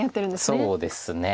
そうですね。